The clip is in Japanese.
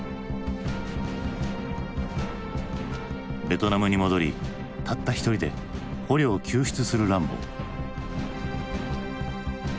ベトナムに戻りたった一人で捕虜を救出するランボー。